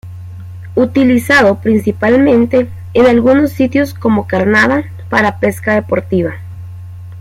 Utilizado principalmente en algunos sitios como carnada para pesca deportiva.